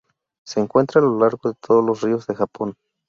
Se encuentra a lo largo de todos los ríos de Japón.